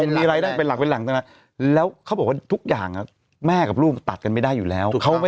มีรายได้เป็นหลักเป็นหลักแล้วเขาบอกว่าทุกอย่างแม่กับลูกมันตัดกันไม่ได้อยู่แล้ว